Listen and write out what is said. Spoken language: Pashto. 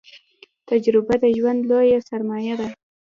تجربه د ژوند لويه سرمايه ده